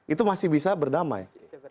itu masih bisa berdamai